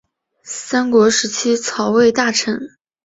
三国时期曹魏大臣。